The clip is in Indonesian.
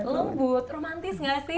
lembut romantis gak sih